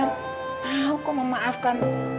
mau kok memaafkan